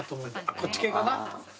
こっち系かな。